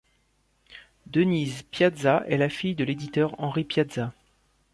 Denise Piazza est la fille de l'éditeur Henri Piazza.